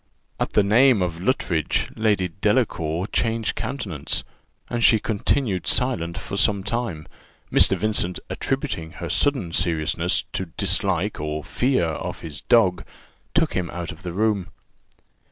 At the name of Luttridge, Lady Delacour changed countenance, and she continued silent for some time. Mr. Vincent, attributing her sudden seriousness to dislike or fear of his dog, took him out of the room.